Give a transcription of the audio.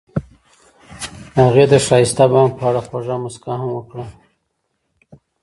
هغې د ښایسته بام په اړه خوږه موسکا هم وکړه.